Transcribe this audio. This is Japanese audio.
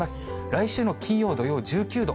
来週の金曜、土曜、１９度。